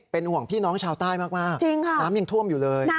เป็นอังว่างพี่น้องชาวใต้มากน้ำยังถ้วมอยู่เลยจริงไหม